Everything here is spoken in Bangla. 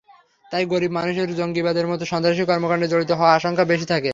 তাই গরিব মানুষের জঙ্গিবাদের মতো সন্ত্রাসী কর্মকাণ্ডে জড়িত হওয়ার আশঙ্কা বেশি থাকে।